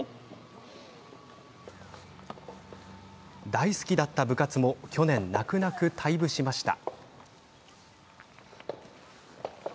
大好きだった部活も去年、泣く泣く退部しました。